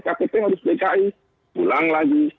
ktp harus dki pulang lagi